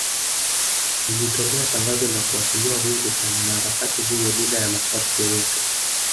Lilitolewa tangazo la kuachiliwa huru kwa mwanaharakati huyo bila ya masharti yoyote